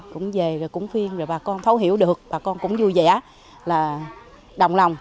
cũng về rồi cũng phiên rồi bà con thấu hiểu được bà con cũng vui vẻ là đồng lòng